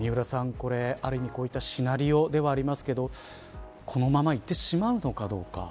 ある意味こういったシナリオではありますけどこのままいってしまうのかどうか。